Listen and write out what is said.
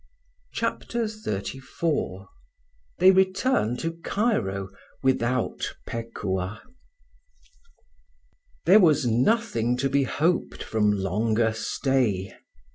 CHAPTER XXXIV THEY RETURN TO CAIRO WITHOUT PEKUAH. THERE was nothing to be hoped from longer stay.